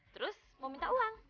terus mau minta uang